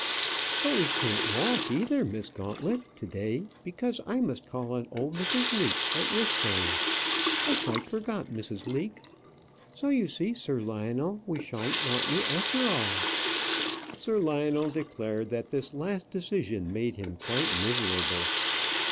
"But we can't walk either, Miss Gauntlet, to day, because I must call on old Mrs. Leake, at Rissbury. I quite forgot Mrs. Leake. So you see, Sir Lionel, we shan't want you after all." Sir Lionel declared that this last decision made him quite miserable.